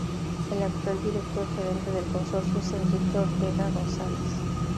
El actual director gerente del consorcio es Enrique Ortega González.